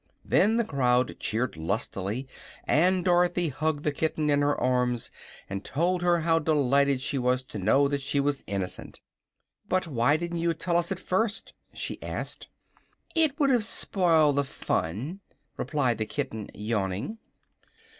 Then the crowd cheered lustily and Dorothy hugged the kitten in her arms and told her how delighted she was to know that she was innocent. "But why didn't you tell us at first?" she asked. "It would have spoiled the fun," replied the kitten, yawning.